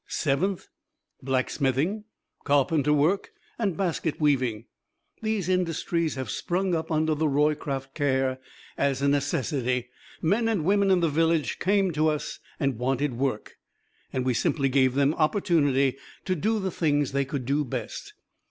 Seventh, blacksmithing, carpenter work and basket weaving. These industries have sprung up under the Roycroft care as a necessity. Men and women in the village came to us and wanted work, and we simply gave them opportunity to do the things they could do best.